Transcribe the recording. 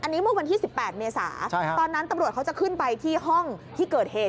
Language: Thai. อันนี้เมื่อวันที่๑๘เมษาตอนนั้นตำรวจเขาจะขึ้นไปที่ห้องที่เกิดเหตุ